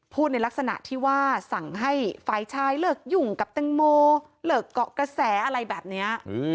ในลักษณะที่ว่าสั่งให้ฝ่ายชายเลิกยุ่งกับแตงโมเลิกเกาะกระแสอะไรแบบนี้